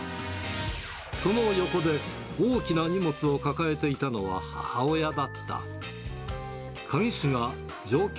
その横で、大きな荷物を抱えていたのは母親だった。